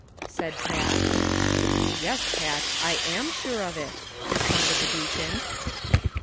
" said Pat. " Yes, Pat, I am sure of it," responded the deacon.